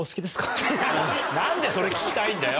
何でそれ聞きたいんだよ